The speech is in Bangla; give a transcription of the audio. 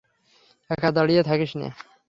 একা দাঁড়িয়ে থাকিস না।